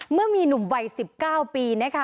เมื่อมีหนุ่มวัย๑๙ปี